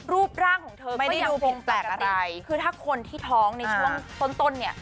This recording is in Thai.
รูปร่างของเธอไม่ได้ดูเป็นปกติคือถ้าคนที่ท้องในช่วงต้นต้นเนี่ย